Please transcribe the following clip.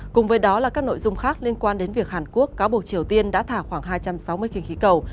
cùng với đó là các nội dung khác liên quan đến việc hàn quốc cáo buộc triều tiên đã thả khoảng hai trăm sáu mươi khinh khí cầu